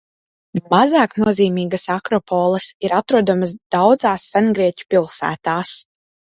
Mazāk nozīmīgas akropoles ir atrodamas daudzās sengrieķu pilsētās.